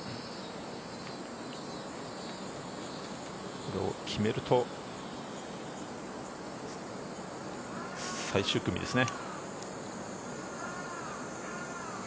これを決めると最終組ですね。